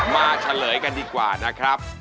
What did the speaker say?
เฉลยกันดีกว่านะครับ